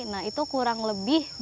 nah itu kurang lebih